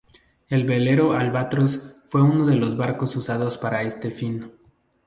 El velero Albatros fue uno de los barcos usados para este fin.